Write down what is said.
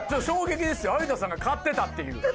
衝撃ですよ有田さんが買ってたっていう。